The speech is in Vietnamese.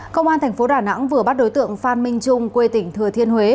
công an tp đà nẵng vừa bắt đối tượng phan minh trung quê tỉnh thừa thiên huế